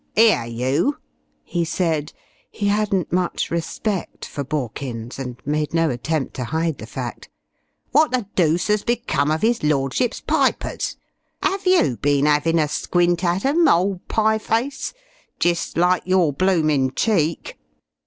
"'Ere you," he said he hadn't much respect for Borkins and made no attempt to hide the fact "what the dooce 'as become of his lordship's pypers? 'Ave you bin 'avin' a squint at 'em, ole pieface? Jist like your bloomin' cheek!"